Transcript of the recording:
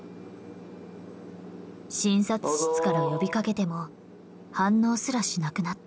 診察室から呼びかけても反応すらしなくなった。